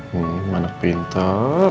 hmm anak pinter